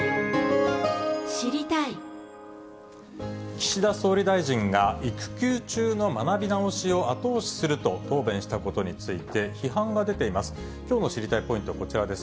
岸田総理大臣が、育休中の学び直しを後押しすると答弁したことについて、批判が出ています。